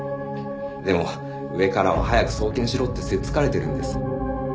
でも上からは早く送検しろってせっつかれてるんです。